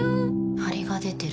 ハリが出てる。